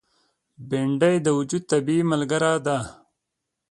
بېنډۍ د وجود طبیعي ملګره ده